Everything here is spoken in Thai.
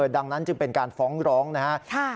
ดังนั้นจึงเป็นการฟ้องร้องนะครับ